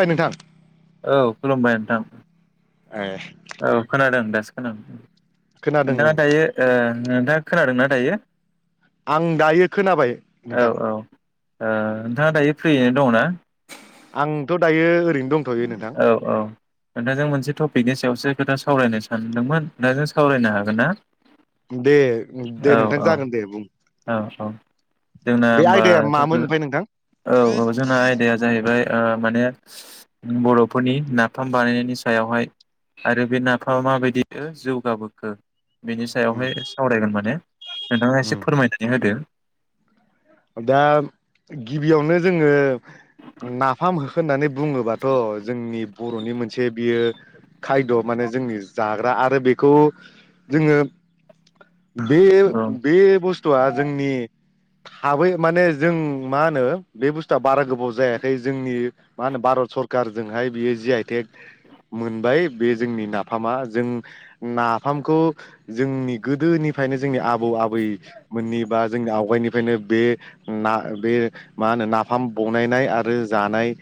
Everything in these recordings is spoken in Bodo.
ओइ नोंथां। औ खुलुमबाय नोंथां। ओ औ खोनादों दासो खोनादों। खोनादों नोंथांङा ओं थायो। दा खोनादोंना दायो। आं दायो खोनाबाय औ नोंथां। औ ओ नोंथांङा दायो फ्रियैनो दंना। आंथ दायो ओरैनो। दंथयो नोंथां। नोंथां जों मोनसे टपिकनि सायावसो खोथा सावरायनो सानदोंमोन नोंथां जों सावरायनो हागोन ना? दे औ दे नोंथां औ जागोन दे बुं औ औ जोंना बे हबा आयदाया मामोन ल ओमफ्राय नोंथां औ औ जोंना आयदाया जाहैबाय माने। [inaudible] बर'फोरनि नाफाम बानायनायनि सायावहाय आरो बे नाफामा माबायदि जौगाबोखो। बेनि उम सायावहाय सावरायगोन माने। नोंथाङा एसे उम फोरमायनानै होदो। दा गिबियावनो जोङो। नाफाम होखो होननानै बुङोबाथ जोंनि बर'नि मोनसे बियो खायद माने जोंनि जाग्रा आरो बेखौ जोङो औ बे-बे बुस्थुआ जोंनि थाबै माने जों मा होनो बे बुस्थुआ बारा गोबाव जायाखै जोंनि मा होनो भारत सरखारारजोंहाय बियो जि आइटेक मोनबाय बे जोंनि नाफामा जों नाफामखौ जोंनि गोदोनिफ्रायनो जोंनि आबौ आबै मोननि बा जोंनि आवगायनि। बेखायनो बे ना बे मा होनो नाफाम बनायनाय आरो जानाय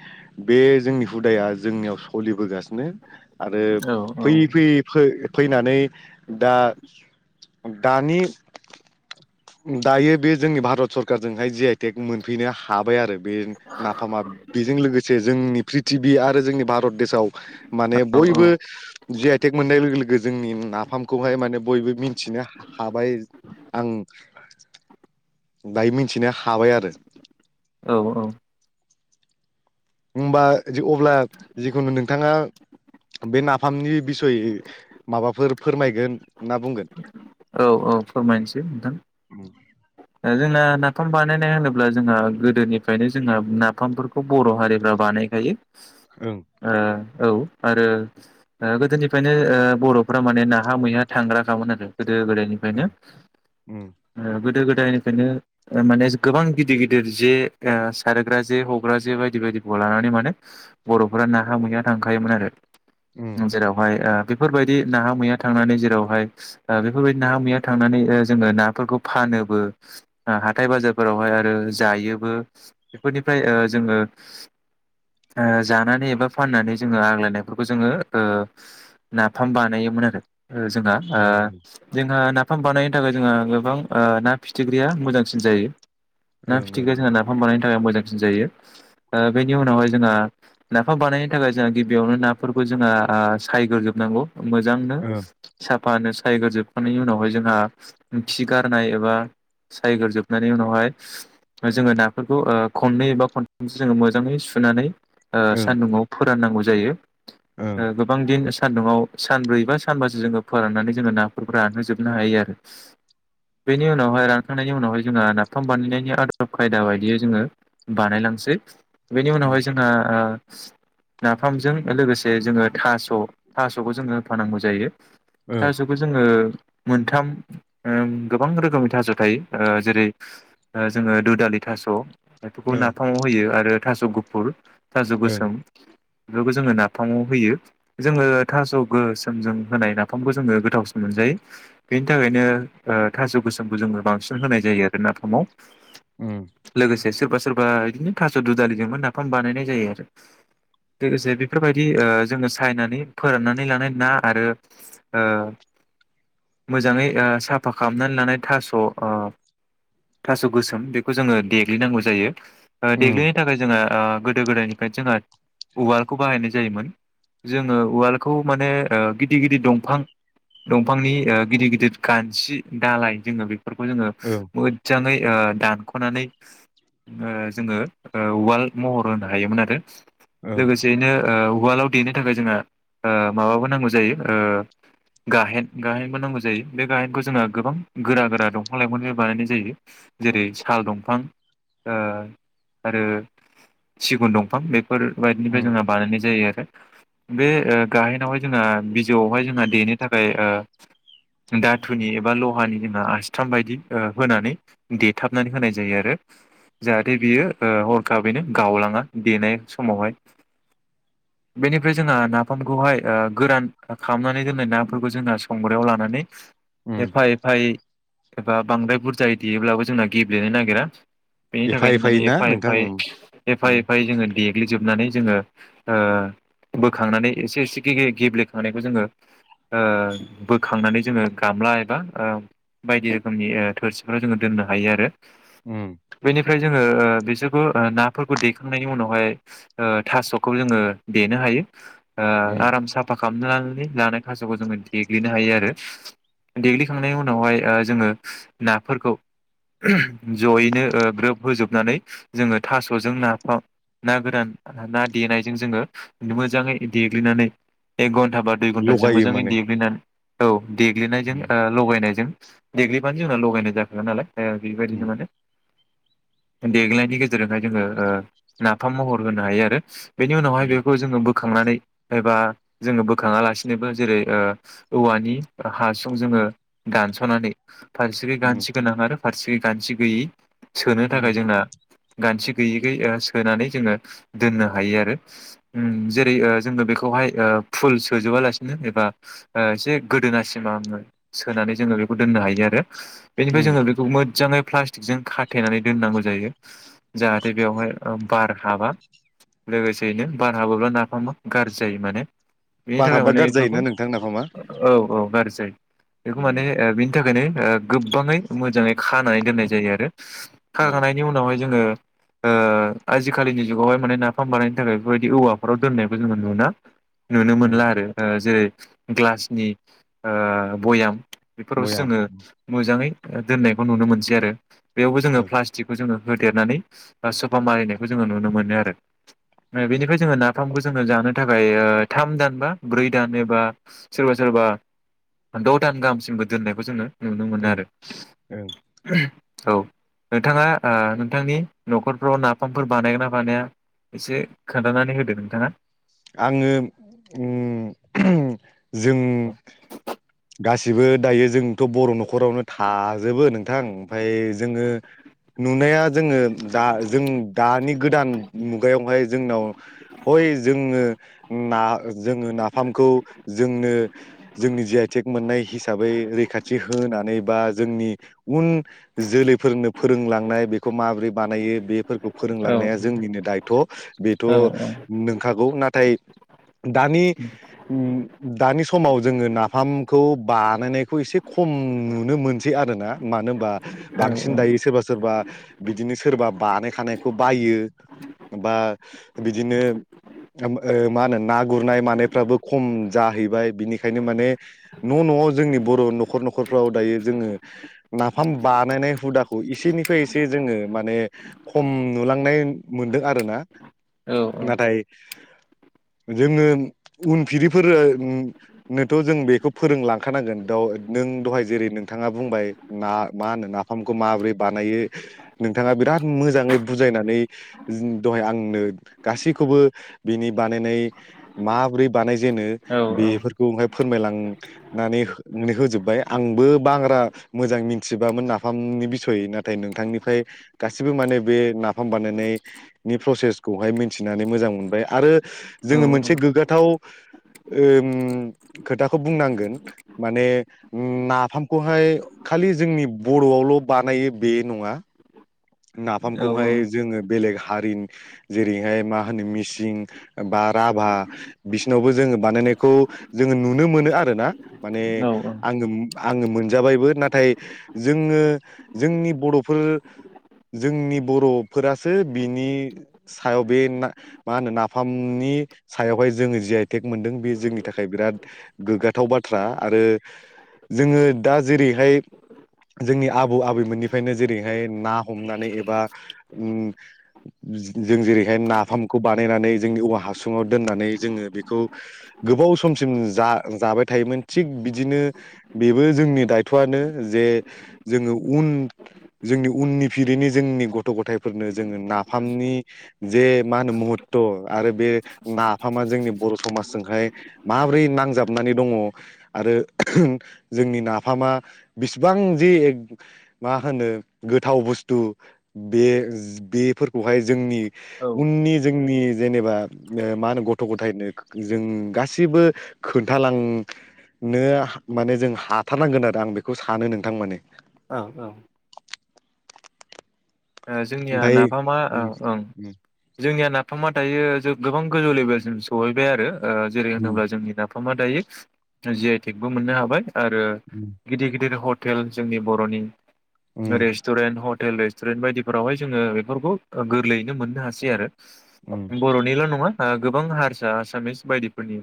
बे जोंनि हुदाया जोंनियाव सोलिबोगासिनो। आरो औ औ फैयै फैयै फो फैनानै दा दानि दायो बे जोंनि भारत सरकारजोंहाय जि आइटेक मोनफैनो हाबाय आरो। बे नाफामा बेजों लोगोसे जोंनि। टि भि आरो जोंनि भारत देसाव माने औ बयबो जि आइ टेक मोननाय‌ लोगो लोगो जोंनि नाफामखौहाय माने बयबो मिथिनो हाबाय आं [inaudible] दायमि मिथिनो हाबाय आरो [inaudible] औ हमबा अब्ला जिखुनु नोंथाङा बे नाफामनि बिसय माबाफोर फोरमायगोन ना बुंगोन औ औ फोरमायनोसै नोंथां ओ जोंना नाफाम बानायनाय होनोब्ला जोंहा गोदोनिफ्रायनो जोंहा नाफामफोरखौ बर' हारिफ्रा बानायखायो ओं [inaudible] ओ औ आरो ओ गोदोनिफ्रायनो ओ बर'फ्रा माने नाहा मैहा थांग्राखामोन आरो गोदो गोदायनिफ्रायनो ओं ओं ओ गोदो गोद जायनिफ्रायायनो माने गोबां गिदिर गिदिर जे ओ सारग्रा जे हग्रा जे बायदि बायदिखौ लानानै माने बर'फोरा नाहा मैया थांखायोमोन आरो ओं जेरावहाय ओ बेफोरबायदि नाहा मैया थांनानै जेरावहाय ओ बेफोरबायदि नाहा मैया थांनानै ओ जोङो नाफोरखौ फानोबो हाथाय बाजारफोरावहाय आरो जायोबो बेफोरनिफ्राय ओ जोङो ओ जानानै एबा फाननानै जोङो आग्लायनायफोरखौ जोङो ओ नाफाम बानायोमोन आरो। ओ जोंहा ओ जोंहा फाम बानायनो थाखाय जोङो गोबां ओ ना फिथिख्रिया मोजांसिन जायो ना फिथिग्रिया ओं जोंना नाफाम बानायनो थाखाय मोजां सिन जायो ओ बेनि उनावहाय जोंहा नाफाम बानायनो थाखाय जोंहा गिबियावनो नाफोरखौ जोंहा ओ सायग्रोजोबनांगौ। मोजांनो ओं साफ फानो सायग्रोजोबखांनायनि उनावहाय जोंहा खि गारनाय एबा सायग्रजोबनानै उनावहाय जोङो नाफोरखौ ओ खननै एबा खनथामसो जोङो मोजाङै सुनानै ओ ओं सान्दुङाव फोराननांगौ जायो ओं ओ गोबां दिन सान्दुंआव सानब्रै बा सानबासो जोङो फोराननानै जोङो नाफोरखौ रानहोजोबनो हायो आरो बेनिनाव उनावहाय रानखांनायनि उनावहाय जोंहा नाफाम बानायनायनि आदब खायदा बायदियै जोङो बानायलांसै बेनि ओं ओं उनावहाय जोंहा ओ नाफामजों लोगोसे जोङो थास' थास'खौ जोङो होफानांगौ जायो ओं थाजोबो जोङो मोनथाम ओ गोबां रोखोमै थास' थायो जेरै जोङो धुदालि थास' बेफोरखौ ओं नाफामाव होयो आरो थस गुपुर थास ओं गोसोम बेफोरखौ जोङो नाफामाव होयो जोङो थास' गोसोमजों होनाय नाफामखौ जोङो गोथावसिन मोनजायो बेनि थाखायनो थास' गोसोम खौ जोङो बांसिन होनाय जायो आरो नाफामाव ओम लोगोसे सोरबा सोरबा बिदिनो थास' दु दालिजोंबो नाफाम बानायनाय जायो आरो लोगोसे बेफोरबायदि ओ जोङो सायनानै फोराननानै लानाय ना आरो ओ मोजै ओ साफा खालामनानै ला। थास' ओ थास' गोसोम बेखौ जोङो देग्लिनांगौ जायो। ओ उम देग्लिनो थाखाय जोङो ओ गोदो गोदायनिफ्राय जोंहा उवालखौ बाहायनाय जायोमोन जोङो उवालखौ माने ओ गिदिर गिदिर दंफां दंफांनि ओ गिदिर गिदिर गानथि दालाय। जोंनो बि फोरखौ जोङो ओं मोजाङै ओ दानख'नानै जोङो ओ उवाल महर होनो हायोमोन आरो ओं लोगोसेयैनो ओ उवालाव देनो थाखाय जोंहा ओ माबाबो नांगौ जायो ओ गाहेन गाहेनबो नांगौ जायो बे गाहेनखौ जोंहा गोबां गोरा-गोरा दंफां लाइफांजों बानायनाय जायो। जेरै- साल दंफां ओ आरो सिगुन दंफां बे फोरबायदिनिफ्राय उम जोंहा बानायनाय जायो। बे ओ गाहेनावहाय जोंहा बिजौआवहाय जोंहा देनो थाखाय ओ दाथुनि एबा लहानि जोंहा आथाम बायदि होनानै देथाबनानै होनाय जायो आरो जाहाथे बियो ओ हरखाबैनो गावलाङा देनाय समावहाय। बेनिफ्राय जोंहा नाफामखौहाय ओ गोरान खालामनानै दोननाय नाफोरखौ जोंना संग्रायाव लानानै उम एफा-एफ है एबा बांद्राय बुरजायै देयोब्लाबो जोंना गेब्लेनो नागिरा बेनि एफा थाखायनो एफायै माने ना एफा नोंथां एफायै उम एफा उम एफायै जोङो देग्लिजोबनानै जोङो ओ बोखांनानै एसे-एसे गे-गेब्लेखांनायखौ जोङो ओ बोखांनानै जोङो गामला एबा ओ बायदि रोखोमनि ओ थोरसिफोराव जोङो दोननो हायो आरो उम फ्राय जोङो ओ बिसोरखौ ओ नाफोरखौ देखांनायनि उनावहाय ओ थास'खौ जोङो देनो हायो ओ उम आराम साफा खालामनानै लानो थास'खौ जोङो देग्लिनो हायो आरो देग्लि खांनाय उनावहाय जोङो नाफोरखौ ओम जयैनो ओ ग्रोब होजोबनानै जोङो थास'जो नाफाम ना गोरान ना देनायजों जोङो मोजाङै देग्लिनाने एक घन टाबा दुइ घन्टासिम लगायो मोजाङै माने देग्नानै औ देग्लिनायजों उम ओ लगायनायजों देग्लिबानो जोंना लगायनाय जाखागोन नालाय ओ बेबायदिनो उम माने देग्लिनायनि गेजेरजोंहाय जोङो ओ नाफाम महर होनो हायो आरो बेनि उनावहाय उम बेखौ जोङो बो खांनानै एबा जोङो बोखाङा लासिनो बा जेरै- औवानि हा सुं जोङो दानस'नानै फारसेखै उम गानथि गोनां आरो फारसेखै गान्थिगैयि सोनो थाखाय उम जोंना गान्थि गैयिखै ओ सोनानै जोङो दोननो हायो आरो ओम जेरै जोनों बेखौहाय ओ फुल सोजोबालासिनो एबा ओ एसे गोदोनासिम सोनानै जोङो बेखौ दोननो हायो आरो बेनिफ्राय उम जोङो बेखौ मोजाङै प्लास्टिकजों खाथेनानै दोननांगौ जायो जाहाथे बेवहाय बार हाबा लोगोसेयैनो बार हाबोब्ला नाफामा गाज्रि जायो माने बेनि बार थाखाय हाबबा माने गाज्रि बेफोरखौ जायोना नोंथां नाफामा औ औ बार [unintelligible] बेखौ उम माने ओ बिनि थाखायनो ओ गोबाङै मोजाङै खानानै दोननाय जायो आरो उम खाखांनायनायनि उनावहाय जोङो ओ आजिखालिनि जुगावहाय माने नाफाम बानायनो थाखाय बेफोरबायदि औवाफोराव दोननायखौ जोङो नुना नुनो उम मोनला आरो जेरै ग्लासनि ओ बयाम बेफोरावसो बयाम जोङो मोजाङै दोननायखौ नुनो मोनसै आरो बेयावबो जोङो ओं प्लास्टिकखौ जोङो होदेरनानै ओ सफा मारिनायखौ जोङो नुनो मोनो आरो बेनिफ्राय जोङो ना फामखौ जोंनो जानो थाखाय थाम दान बा ब्रै दान एबा सोरबा सोरबा द' दान गाहामसिमबो दोननायखौ जोङो नुनो मोनो ओं आरो ओं औ नोंथाङा ओ नोंथांनि न'खरफ्राव नाफामफोर बानायगोन ना बानाया एसे खोन्थानानै होदो नोंथाङा आङो उम उम जों गासिबो दायो जोंथ' बर' न'खरावनो थाजोबो नोंथां ओमफफ्राय जोङो नुनाया जोङो दा जों दानि गोदान मुगायावहाय जोंनाव हय उङो नाफामखौ जोंनो जोंनि जि आइटेक मोननाय हिसाबै रैखाथि होनानै बा जोंनि उन जोलैफोरनो फोरोंलांनाय बेखौ माबोरै बानायो बेफोर औ औ फोरोंलांनाया जोंनिनो दायथ' बेथ' औ औ नों औ नाथाय दानि उम दानि समाव जोङो नाफामखौ बानायनायखौ एसे खम नुनो मोनसै आर ना मानो होनबा औ बांसिन दायो सोरबा सोरबा बिदिनो सोरबा बानायखानायखौ बायो बा बिदिनो ओ मा होनो ना गुरनाय मानायफ्राबो खम जाहैबाय बिनिखायनो माने न' न'आव जोंनि बर' न'खर न'खरफ्राव दायो जोङो नाफाम बानायनाय हुदाखौ एसेनिफ्राय एसे जोङो माने खम नुलांनाय मोनदों आरो ना औ नाथाय जोङो उनफिरिफोरनोथ' जों बेखौ फोरोंलांखानांगोन द नों दहाय जेरै नोंथाङा बुंबाय ना मा होनो नाफामखौ माबोरै बानायो नोंथाङा बिराद मोजाङै बुजायनानै दहाय आंनो गासैखौबो बिनि बानायनाय माब्रै बानायजेनो औ बेफोरखौहाय फोरमायलांनानै होजोबबाय आंबो बांग्रा मोजां मिथिबामोन नाफामनि बिसय नाथाय नोंथांनिफ्राय गासिबो माने बे नाफाम बानायनायनि प्रसेसखौहाय मिथिनानै मोजां मोन बाय आरो औ जोङो मोनसे गोग्गाथाव खोथाखौ बुंनांगोन माने नाफामखौहाय खालि जोंनि बर'आवल' बानायो बेल नङा नाफामखौहाय जोङो बेलेग हारिनि जेरैहाय मा होनो मिसिं बा राभा बिसिनावबो जोङो बानायनायखौ जोङो नुनो मोनो आरोना माने औ औ आङो आङो मोनजाबायबो नाथाय जोङो जोंनि बर'फोर जोंनि बर'फोरासो बिनि सायाव बे मा होनो नाफामनि सायावहाय जोङो जि आइटेक मोनदों बे जोंनि थाखाय बिराद गोग्गाथाव बाथ्रा आरो जोङो दा जेरैहाय जोंनि आबौ आबैमोननिफ्रायनो जेरैहाय ना हमनानै एबा जों जेरैहाय नाफामखौ बानायनानै जोंनि औवा हासुङाव दोननानै जोङो बेखौ गोबाव समसिम जा जाबाय थायोमोन थिग बिदिनो बेबो जोंनि दायथ'आनो जे जोङो उन जोंनि उननि फिरिनो जोंनि गथ' गथायफोरनो जोङो नाफामनि जे मा होनो महत्त' आरो बे नाफामा जोंनि बर' समाजजोंहाय माब्रै नांजाबनानै दङ आरो जोंनि नाफामा बिसिबां जि मा होनो गोथाव बुस्थ' थु बे बेफोरखौहाय जोंनि ओ उननि जोंनि जेनेबा मा होनो गथ' गथायनो जों गासैबो खोन्थालांनो माने जों हाथारनांगोन आरो आं बेखौ सानो नोंथां माने औ औ जोंनिया ओमफ्राय नाफामा उम जोंनिया ना साफामा दायो जों गोबां गोजौ लेभेलसिम सहैबाय आरो जेरै उम होनोब्ला जोंनि दा दायो जि आइ टेकबो मोननो हाबाय आरो उम गिदिर गिदिर हट हटेल जोंनि बर'नि उम रेस्ट'रेन्ट हटेल बायदि फोरावहाय जोङो बेफोरखौ गोरलैयैनो मोननो हासै आरो उम बर'निल' नङा गोबां हारसा आसामिस बायदिफोरनि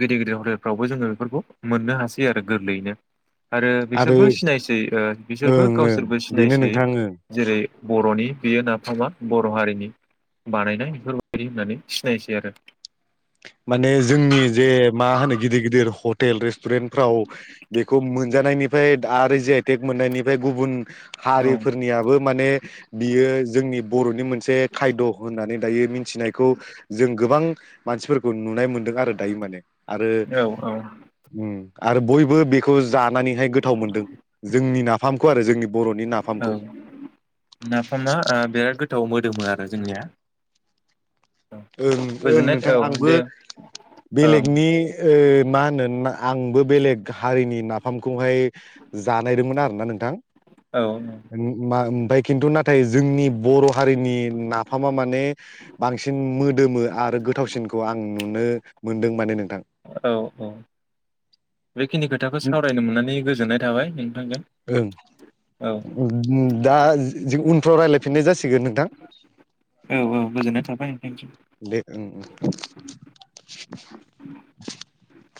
गिदिर गिदिर हटेलफ्रावबो जोङो बेफोरखौ मोननो हासै आरो गोरलैयैनो आरो बिसोरबो सिनायसै बिसोरबो ओं ओं गावसोरबो बेनो सिनायसै नोंथां ओं जेरै बर'नि बियो नाफामा बर' हारिनि बानायनाय बेफोरबायदि होननानै सिनायसै आरो। माने जोंनि जे मा होनो गिदिर गिदिर हटेल रेस्टुरेन्टफ्राव बेखौ मोनजानायनिफ्राय आरो जि आइ टेक मोननायनिफ्राय गुबुन औ हारिफोरनियाबो माने बियो जोंनि बर'नि मोनसे खायद' होननानै दायो मिथिनायखौ जों गोबां मानसि नुनाय मोन्दों आरो दायो माने। आरो औ आरो बयबो बेखौ जानानैहाय गोथाव मोनदों जोंनि नाफामखौ आरो जोंनि बर'नि औ नाफामखौ नाफामा बिराद गोथाव गोथाव मोदोमो आरो जोंनिया। ओ ओं गोजोननाय औ नोंथां आंबो दे ओं बेलेगनि मा होनो आंबो बेलेग हारिनि नाफामखौहाय जानायदोंमोन आरोना नोंथां। औ मा दा खिन्थु ना नाथाय जोंनि बर' हारिनि नाफामा माने बांसिन बांसिन मोदोमो आरो गोथावसिनखौ आं नुनो मोनदों माने नोंथां। औ औ बेखिनि खोथाखौ सावरायनो मोननानै गोजोन्नाय थाबाय नोंथांजों ओं औ दा जों उन फ्राव राय्लायफिननाय जासिगोन नोंथां औ औ गोजोननाय थाबाय थेंकइउ दे [inaudible]